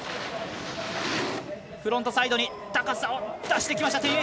フロントサイド高さを出してきました。